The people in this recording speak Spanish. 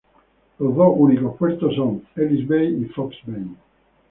Los dos únicos puertos son Ellis Bay y Fox Bay.